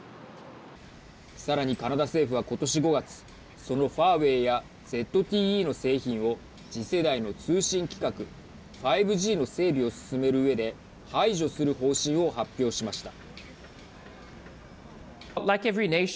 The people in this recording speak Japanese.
さらに、カナダ政府はことし５月そのファーウェイやＺＴＥの製品を次世代の通信規格５Ｇの整備を進めるうえで排除する方針を発表しました。